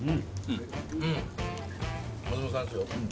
松本さんですよ。